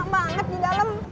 lama banget di dalem